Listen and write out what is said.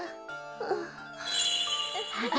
ああ。